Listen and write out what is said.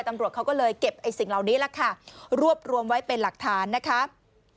ตำรวจเขาก็เลยเก็บไอ้สิ่งเหล่านี้แหละค่ะรวบรวมไว้เป็นหลักฐานนะครับ